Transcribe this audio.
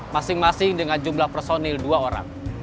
masing masing dengan jumlah personil dua orang